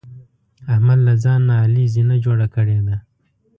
احمد له ځان نه علي زینه جوړه کړې ده.